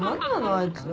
あいつ。